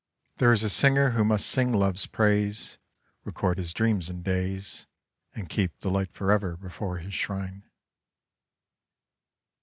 There is a singer who must sing Love's praise. Record his dreams and days, And keep the light forever before his shrine.